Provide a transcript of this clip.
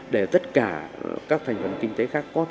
để tất cả các thành phần kinh tế khác